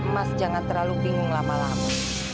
mas jangan terlalu bingung lama lama